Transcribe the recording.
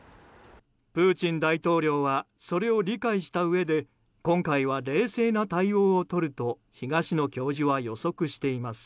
プーチン大統領はそれを理解したうえで今回は冷静な対応をとると東野教授は予測しています。